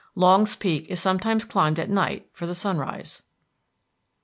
Longs Peak is sometimes climbed at night for the sunrise.